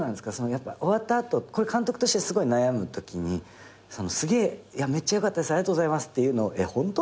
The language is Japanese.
やっぱ終わった後これ監督としてすごい悩むときにめっちゃ良かったっすありがとうございますってのを「えっホント？」